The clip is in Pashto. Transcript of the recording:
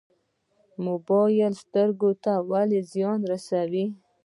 موبایل سترګو ته ولې زیان رسوي؟